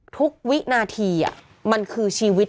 วินาทีมันคือชีวิต